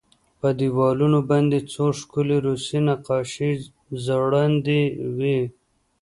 په دېوالونو باندې څو ښکلې روسي نقاشۍ ځوړندې وې